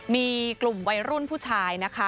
มีกลุ่มวัยรุ่นผู้ชายนะคะ